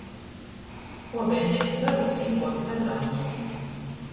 Uobeļneicu zorūs īkuorti vazaunīki.